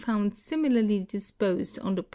7, found similarly disposed on the ]).)